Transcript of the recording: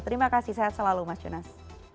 terima kasih sehat selalu mas jonas